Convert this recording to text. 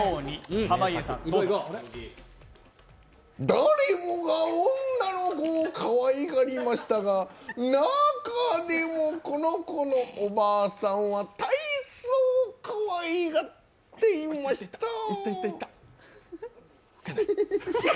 だれもが女の子をかわいがりましたが、なーかでも、この子のおばあさんはたいそう可愛がっていましたー。